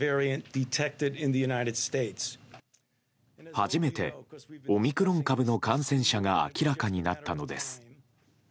初めてオミクロン株の感染者が明らかになったのです。